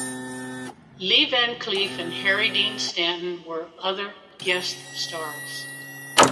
Lee Van Cleef and Harry Dean Stanton were other guest stars.